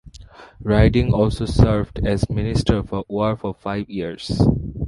Ryding also served as Minister for War for five years.